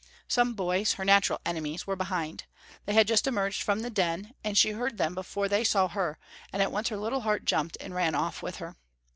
Some boys, her natural enemies, were behind; they had just emerged from the Den, and she heard them before they saw her, and at once her little heart jumped and ran off with her.